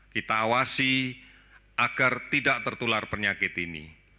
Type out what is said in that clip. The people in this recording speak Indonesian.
kita awasi agar tidak tertular penyakit ini